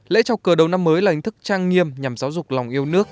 lễ chào cờ đầu năm mới là hình thức trang nghiêm nhằm giáo dục lòng yêu nước